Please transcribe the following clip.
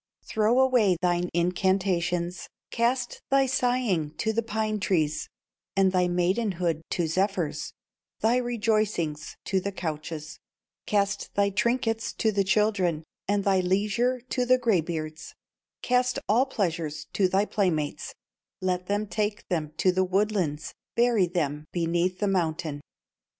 Throw away thine incantations, Cast thy sighing to the pine trees, And thy maidenhood to zephyrs, Thy rejoicings to the couches, Cast thy trinkets to the children, And thy leisure to the gray beards, Cast all pleasures to thy playmates, Let them take them to the woodlands, Bury them beneath the mountain.